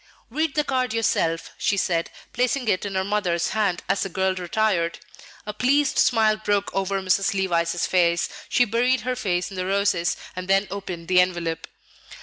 "Read the card yourself," she said, placing it in her mother's hand as the girl retired. A pleased smile broke over Mrs. Levice's face; she buried her face in the roses, and then opened the envelope.